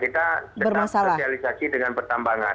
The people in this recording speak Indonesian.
kita tetap sosialisasi dengan pertambangan